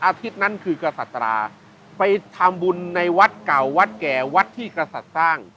อาทิตย์นั้นคือกษัตราไปทำบุญในวัดเก่าวัดแก่วัดที่กษัตริย์สร้าง